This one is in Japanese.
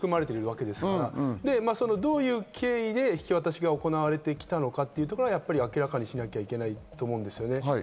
どういう経緯で引き渡しが行われてきたのかは明らかにしなきゃいけないと思うんですよね。